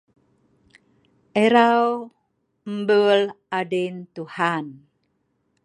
Erau mbul adin Tuhan